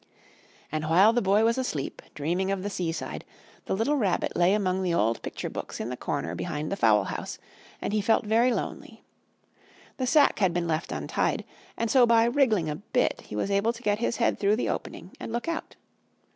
And while the Boy was asleep, dreaming of the seaside, the little Rabbit lay among the old picture books in the corner behind the fowl house, and he felt very lonely. The sack had been left untied, and so by wriggling a bit he was able to get his head through the opening and look out.